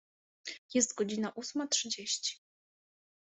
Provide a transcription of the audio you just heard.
Jest godzina ósma trzydzieści.